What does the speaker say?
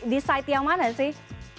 di site yang mana sih